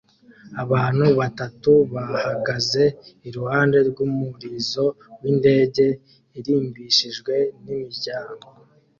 Abantu batatu bahagaze iruhande rwumurizo windege irimbishijwe nimiryango